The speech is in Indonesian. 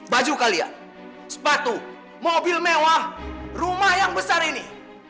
baju kalian sepatu mobil mewah rumah yang besar ini